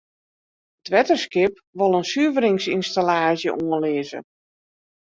It wetterskip wol in suveringsynstallaasje oanlizze.